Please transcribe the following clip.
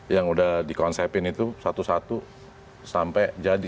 yang udah dikonsepin itu satu satu sampai jadi